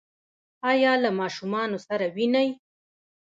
ایا له ماشومانو سره وینئ؟